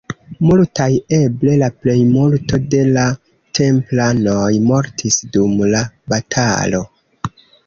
Multaj, eble la plejmulto de la templanoj mortis dum la batalo.